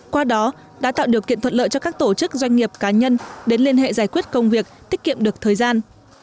qua đó đã tạo điều kiện thuận lợi cho các tổ chức doanh nghiệp cá nhân đến liên hệ giải quyết công việc tiết kiệm được thời gian